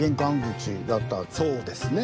そうですね。